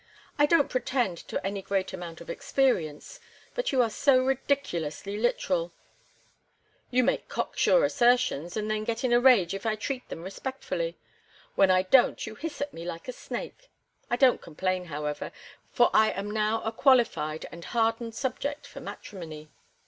"I don't pretend to any great amount of experience, but you are so ridiculously literal." "You make cocksure assertions, and then get in a rage if I treat them respectfully. When I don't, you hiss at me like a snake. I don't complain, however, for I am now a qualified and hardened subject for matrimony."